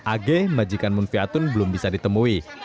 ag majikan mun fiatun belum bisa ditemui